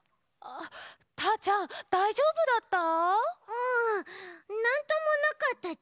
うんなんともなかったち。